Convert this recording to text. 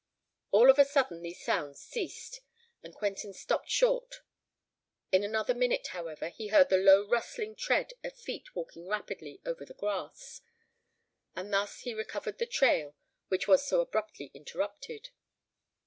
All of a sudden these sounds ceased; and Quentin stopped short. In another minute, however, he heard the low rustling tread of feet walking rapidly over the grass; and thus he recovered the trail which was so abruptly interrupted.